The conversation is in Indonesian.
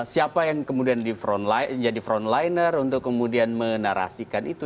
siapa yang kemudian jadi frontliner untuk kemudian menarasikan itu